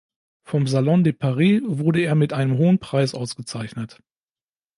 Vom Salon de Paris wurde er mit einem hohen Preis ausgezeichnet.